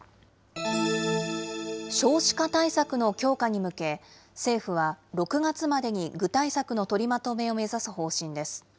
少子化対策の強化に向け、政府は６月までに具体策の取りまとめを目指す方針です。